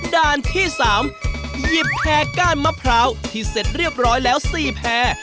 ด้านที่๓หยิบแพร่ก้านมะพร้าวที่เสร็จเรียบร้อยแล้ว๔แพร่